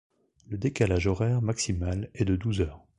Le décalage horaire maximal est de douze heures.